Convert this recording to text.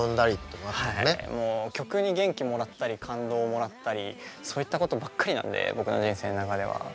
もう曲に元気もらったり感動をもらったりそういったことばっかりなんで僕の人生の中では。